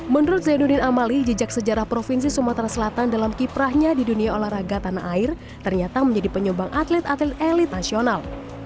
menurut zainuddin amali jejak sejarah provinsi sumatera selatan dalam kiprahnya di dunia olahraga tanah air ternyata menjadi penyumbang atlet atlet elit nasional